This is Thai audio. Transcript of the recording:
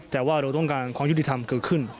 แต่ว่าเราต้องการความยุติธรรมเกิดขึ้น